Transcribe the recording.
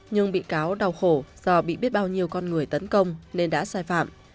nhưng bị cáo đau khổ do bị biết bao nhiêu con người tấn công nên đã sai phạm